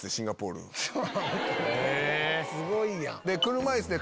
すごいやん！